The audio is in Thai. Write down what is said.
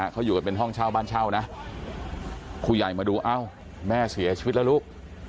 เขาอยู่กันเป็นห้องเช่าบ้านเช่านะผู้ใหญ่มาดูเอ้าแม่เสียชีวิตแล้วลูก